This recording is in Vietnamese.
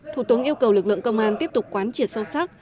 thủ tướng yêu cầu lực lượng công an tiếp tục quán triệt sâu sắc